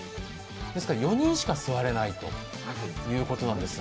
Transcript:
ですから、４人しか座れないということなんです。